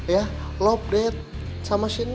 ya love deh sama sini